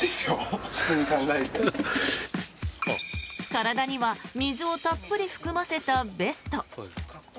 体には水をたっぷり含ませたベスト。